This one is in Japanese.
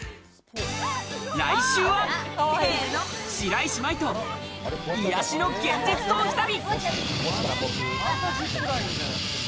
来週は白石麻衣と癒やしの現実逃避旅。